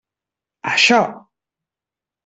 Això!